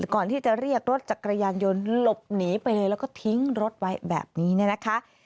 ก่อนที่จะเรียกรถจักรยานยนต์หลบหนีไปเลยแล้วก็ทิ้งรถไว้แบบนี้เนี่ยนะคะ